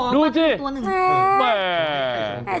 ดูอีกสิแม่ขอมาทั้งตัวหนึ่ง